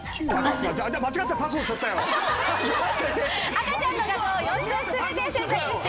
赤ちゃんの画像を４つ全て選択してください。